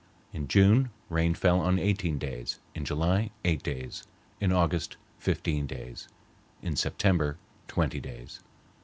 In June rain fell on eighteen days, in July eight days, in August fifteen days, in September twenty days.